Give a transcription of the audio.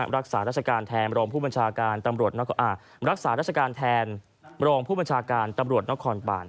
รักษาราชการแทนโรงผู้บัญชาการตำรวจน้องคอนป่าน